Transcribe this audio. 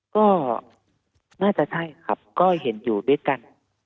ก็น่าจะใช่ครับก็เห็นอยู่ด้วยกัน